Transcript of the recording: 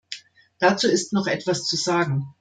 Dazu ist noch etwas zu sagen.